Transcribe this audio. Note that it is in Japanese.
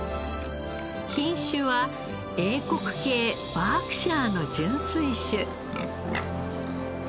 品種は英国系バークシャーの純粋種。